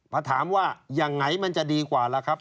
พอถามว่ายังไงมันจะดีกว่าล่ะครับ